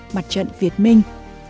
mặt trận việt minh